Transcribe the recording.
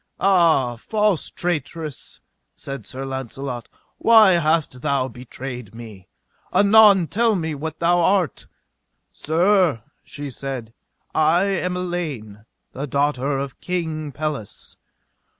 Ah, false traitress, said Sir Launcelot, why hast thou betrayed me? anon tell me what thou art. Sir, she said, I am Elaine, the daughter of King Pelles.